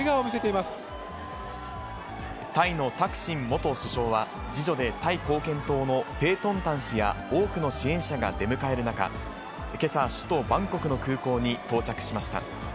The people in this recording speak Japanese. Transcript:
タイのタクシン元首相は、次女でタイ貢献党のペートンタン氏や多くの支援者が出迎える中、けさ、首都バンコクの空港に到着しました。